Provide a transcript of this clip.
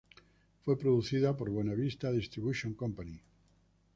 Fue producida por Buena Vista Distribution Company.